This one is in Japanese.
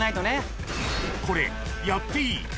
［これやっていい？